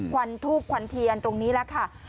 วันทูบควันเทียนตรงนี้แหละค่ะ